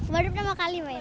baru pertama kali main